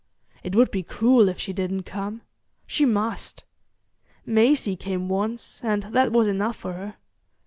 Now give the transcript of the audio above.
It would be cruel if she didn't come. She must. Maisie came once, and that was enough for her.